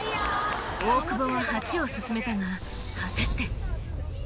大久保は８を勧めたが果たして？